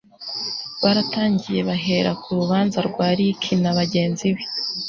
Baratangiye bahera ku rubanza rwa Ricky na bagenzi be